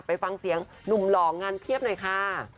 ไปฟังเสียงหนุ่มหล่องานเพียบหน่อยค่ะ